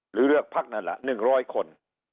หรือเลือกภักดิ์นั่นล่ะ๑๐๐คน